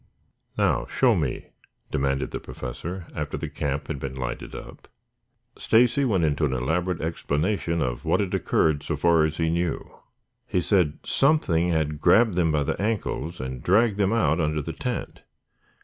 "Now, show me!" demanded the Professor after the camp had been lighted up. Stacy went into an elaborate explanation of what had occurred so far as he knew. He said something had grabbed them by the ankles and dragged them out under the tent.